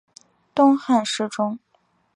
东汉侍中。